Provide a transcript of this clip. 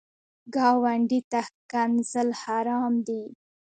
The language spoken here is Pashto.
ګاونډي ته ښکنځل حرام دي